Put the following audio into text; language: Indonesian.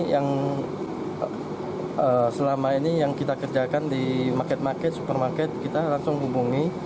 yang selama ini yang kita kerjakan di market market supermarket kita langsung hubungi